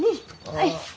はい。